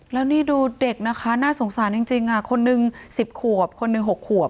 แล้วนี่ดูเด็กนะคะน่าสงสารจริงคนหนึ่ง๑๐ขวบคนหนึ่ง๖ขวบ